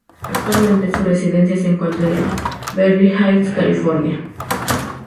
Actualmente su residencia se encuentra en Beverly Hills, California.